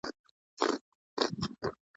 یونانیانو دغه ستونزه په خپلو ودانیو کې حل کړه.